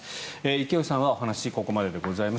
池内さんはお話ここまででございます。